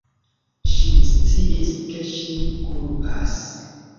Ŝi sciis, ke ŝi kulpas.